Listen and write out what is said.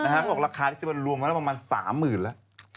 เขาบอกลักษณ์ว่ารวมมาแล้วประมาณ๓๐๐๐๐บาทละ